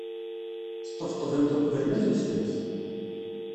Sṭebṭbemt uqbel ma tudfemt.